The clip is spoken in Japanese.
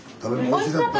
おいしかった。